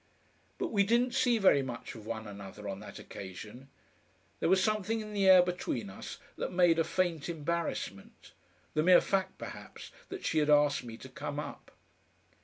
But we didn't see very much of one another on that occasion. There was something in the air between us that made a faint embarrassment; the mere fact, perhaps, that she had asked me to come up.